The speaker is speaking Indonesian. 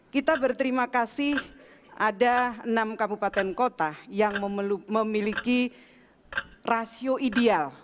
kita berterima kasih ada enam kabupaten kota yang memiliki rasio ideal